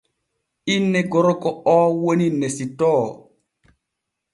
Inne gorko oo woni Nesitoo.